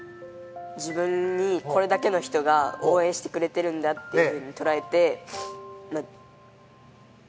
自分にこれだけの人が応援してくれてるんだっていうふうに捉えて。